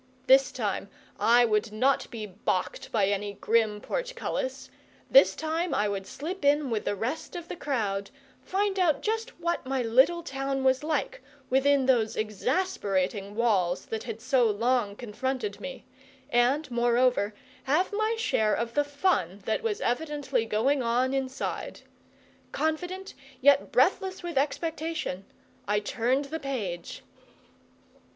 This time I would not be balked by any grim portcullis; this time I would slip in with the rest of the crowd, find out just what my little town was like, within those exasperating walls that had so long confronted me, and, moreover, have my share of the fun that was evidently going on inside. Confident, yet breathless with expectation, I turned the page.